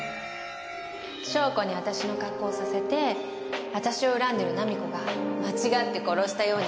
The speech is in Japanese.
翔子に私の格好をさせて私を恨んでる菜実子が間違って殺したように見せかけるの。